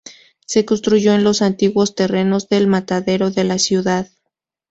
Se construyó en los antiguos terrenos del matadero de la ciudad.